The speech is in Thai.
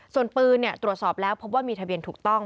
ส่วนปืนตรวจสอบแล้วพบว่ามีทะเบียนถูกต้อง